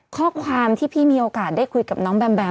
ข้อความที่พี่มีโอกาสได้คุยกับน้องแบมแบม